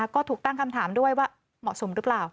ก็ถูกตั้งคำถามด้วยว่าเหมาะสมหรือเปล่า